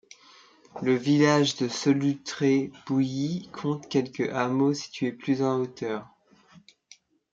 Le village de Solutré-Pouilly compte quelques hameaux situés plus en hauteur.